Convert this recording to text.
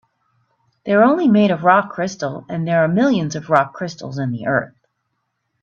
They're only made of rock crystal, and there are millions of rock crystals in the earth.